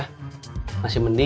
nggak ada apa apa